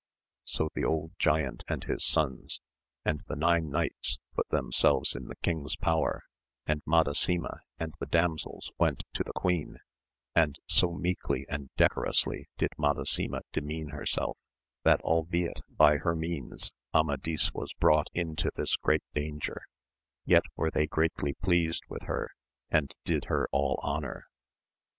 So the old giant and his sons, and the nine knights put themselves in the king's power, and Madasima and the damsels went to the queen, and so meekly and decorously did Madasima demean herself, that albeit by her means Amadis was brought into this great danger, yet were they greatly pleased with her, and did her all honour.